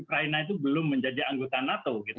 ukraina itu belum menjadi anggota nato gitu